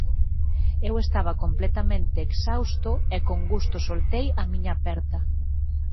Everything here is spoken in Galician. Eu estaba completamente exhausto e con gusto soltei a miña aperta.